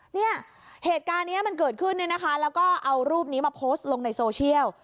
เนี่ยเหตุการณ์นี้มันเกิดขึ้นเนี่ยนะคะแล้วก็เอารูปนี้มาโพสต์ลงในโซเชียล